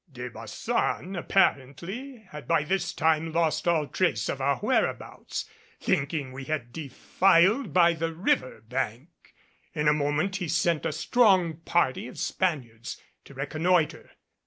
De Baçan apparently had by this time lost all trace of our whereabouts. Thinking we had defiled by the river bank, in a moment he sent a strong party of Spaniards to reconnoitre.